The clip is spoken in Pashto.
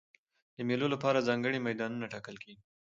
د مېلو له پاره ځانګړي میدانونه ټاکل کېږي.